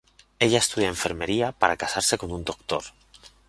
Ella estudia enfermería para casarse con un doctor.